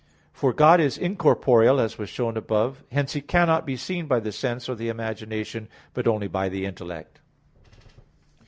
For God is incorporeal, as was shown above (Q. 3, A. 1). Hence He cannot be seen by the sense or the imagination, but only by the intellect.